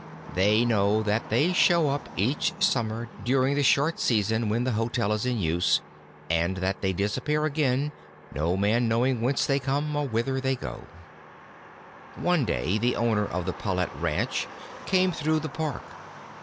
They know that they show up each summer during the short season when the hotel is in use, and that they disappear again, no man knowing whence they come or whither they go. One day the owner of the Palette Ranch came through the Park.